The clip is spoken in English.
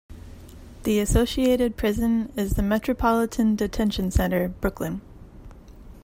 The associated prison is the Metropolitan Detention Center, Brooklyn.